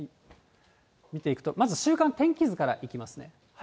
見ていくと、まず週間天気図からいきますね。